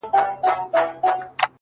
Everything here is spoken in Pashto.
o په تهمتونو کي بلا غمونو؛